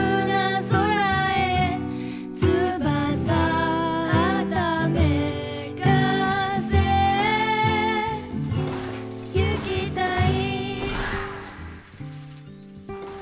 「翼はためかせ」「行きたい」